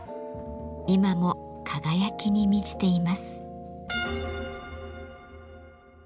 今も輝きに満ちています。